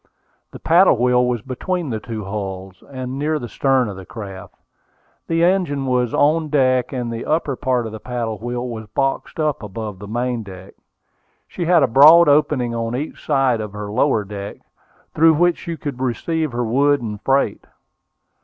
The paddle wheel was between the two hulls, and near the stern of the craft. The engine was on deck, and the upper part of the paddle wheel was boxed up above the main deck. She had a broad opening on each side of her lower deck, through which she could receive her wood and freight.